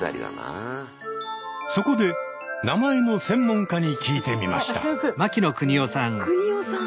そこで名前の専門家に聞いてみました。